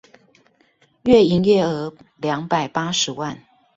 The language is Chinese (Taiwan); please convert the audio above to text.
月營業額兩百八十萬